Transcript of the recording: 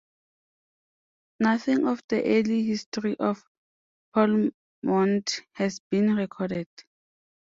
Nothing of the early history of Polmont has been recorded.